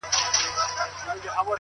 نه یوه مسته ترانه سته زه به چیري ځمه-